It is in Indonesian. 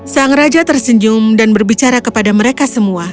sang raja tersenyum dan berbicara kepada mereka semua